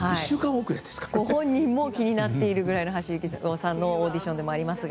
ご本人も気になっているくらいの橋幸夫さんのオーディションでもありますが。